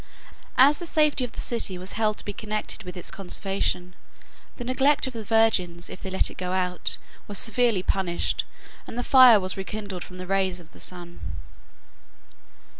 As the safety of the city was held to be connected with its conservation, the neglect of the virgins, if they let it go out, was severely punished, and the fire was rekindled from the rays of the sun.